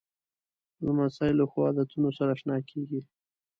لمسی له ښو عادتونو سره اشنا کېږي.